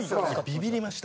ビビりました。